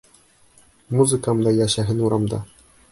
Музыкам да йәшәһен урамда!